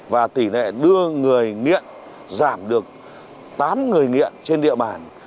và tỷ lệ đưa người nghiện giảm được tám người nghiện trên địa bàn